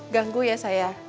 ganggu ya saya